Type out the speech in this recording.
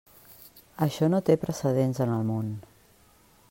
Això no té precedents en el món.